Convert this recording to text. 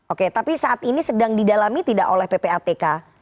oke tapi saat ini sedang didalami tidak oleh ppatk